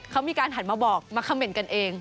เขามีการหันมาบอกมาคำเมนต์กันเอง